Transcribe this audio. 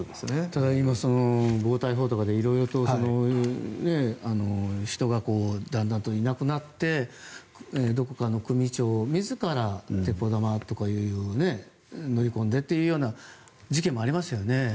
ただ今、暴対法とかで色々と、人がだんだんといなくなってどこかの組長自ら鉄砲玉とかって乗り込んでという事件もありましたよね。